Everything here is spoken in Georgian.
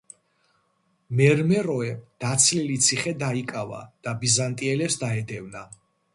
მერმეროემ დაცლილი ციხე დაიკავა და ბიზანტიელებს დაედევნა.